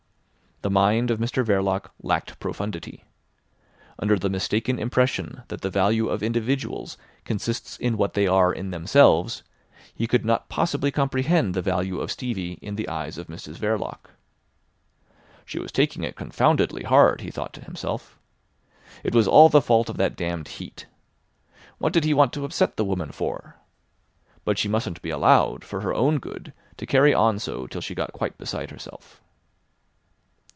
The mind of Mr Verloc lacked profundity. Under the mistaken impression that the value of individuals consists in what they are in themselves, he could not possibly comprehend the value of Stevie in the eyes of Mrs Verloc. She was taking it confoundedly hard, he thought to himself. It was all the fault of that damned Heat. What did he want to upset the woman for? But she mustn't be allowed, for her own good, to carry on so till she got quite beside herself.